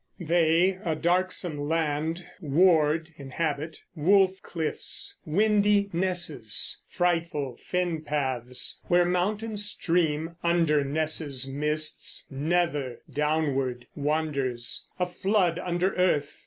They (a) darksome land Ward (inhabit), wolf cliffs, windy nesses, Frightful fen paths where mountain stream Under nesses' mists nether (downward) wanders, A flood under earth.